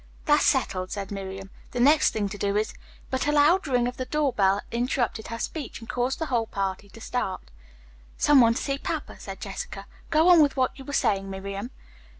"That's settled," said Miriam. "The next thing to do is " But a loud ring of the door bell interrupted her speech and caused the whole party to start. "Some one to see papa," said Jessica. "Go on with what you were saying, Miriam."